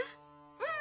うん。